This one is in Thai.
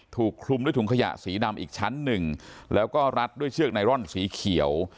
ถูกคลุมด้วยถุงขยะสีดำอีกชั้นหนึ่งแล้วก็รัดด้วยเชือกไนรอนสีเขียว